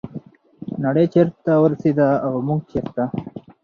نړۍ چیرته ورسیده او موږ چیرته؟